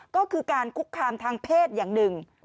ก็คือการคุกคามทางเพศอย่างหนึ่ง